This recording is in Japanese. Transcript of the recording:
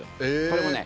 これもね